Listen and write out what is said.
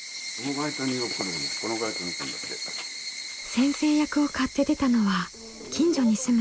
先生役を買って出たのは近所に住む金森さん。